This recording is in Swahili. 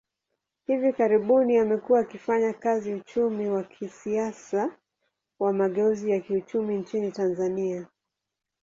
Hivi karibuni, amekuwa akifanya kazi uchumi wa kisiasa wa mageuzi ya kiuchumi nchini Tanzania.